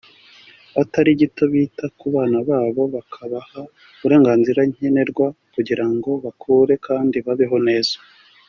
batari gito bita ku bana babo bakabaha uburenganzira nkenerwa kugira ngo bakure kandi babeho neza